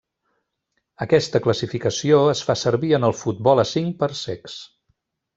Aquesta classificació es fa servir en el futbol a cinc per a cecs.